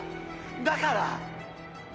だから！